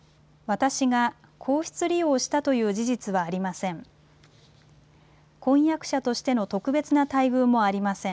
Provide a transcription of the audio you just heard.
私が皇室利用したという事実はありません。